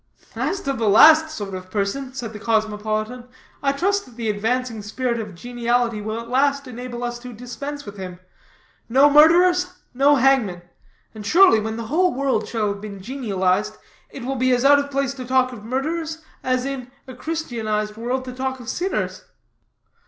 "As to the last named sort of person," said the cosmopolitan, "I trust that the advancing spirit of geniality will at last enable us to dispense with him. No murderers no hangmen. And surely, when the whole world shall have been genialized, it will be as out of place to talk of murderers, as in a Christianized world to talk of sinners."